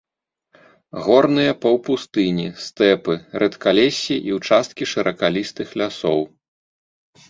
Горныя паўпустыні, стэпы, рэдкалессі і ўчасткі шыракалістых лясоў.